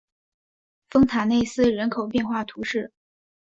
丰塔内斯人口变化图示